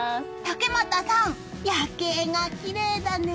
竹俣さん、夜景がきれいだね！